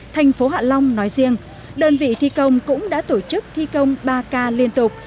thành phố hạ long nói riêng đơn vị thi công cũng đã tổ chức thi công ba k liên tục